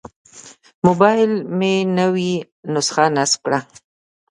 موبایل مې نوې نسخه نصب کړه.